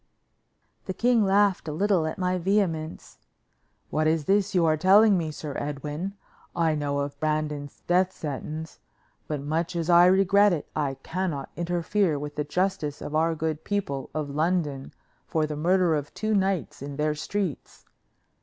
The king laughed a little at my vehemence. "What is this you are telling me, Sir Edwin? I know of Brandon's death sentence, but much as I regret it, I cannot interfere with the justice of our good people of London for the murder of two knights in their streets.